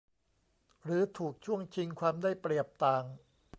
หรือถูกช่วงชิงความได้เปรียบต่าง